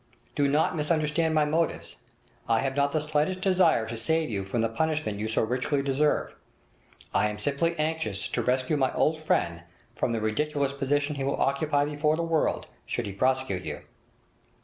Do not misunderstand my motives; I have not the slightest desire to save you from the punishment you so richly deserve. I am simply anxious to rescue my old friend from the ridiculous position he will occupy before the world should he prosecute you.